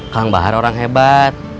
kang bahar orang hebat